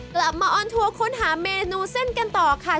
ออนทัวร์ค้นหาเมนูเส้นกันต่อค่ะ